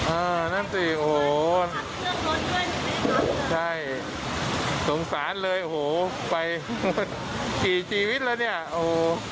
นั่นสิโอ้โหใช่สงสารเลยโอ้โหไปกี่ชีวิตแล้วเนี่ยโอ้โห